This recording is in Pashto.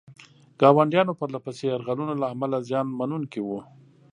ګاونډیانو پرله پسې یرغلونو له امله زیان منونکي وو.